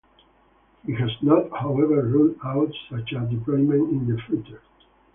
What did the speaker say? He has not, however, ruled out such a deployment in the future.